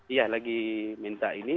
ya lagi minta ini